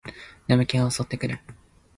眠気が襲ってくる